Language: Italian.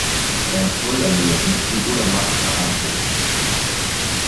Tra i suoi allievi figura Martha Argerich.